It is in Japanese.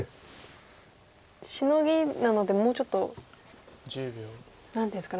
シノギなのでもうちょっと何ですかね。